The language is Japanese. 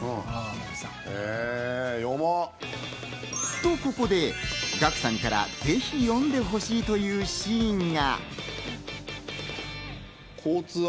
と、ここでガクさんからぜひ読んでほしいというシーンが。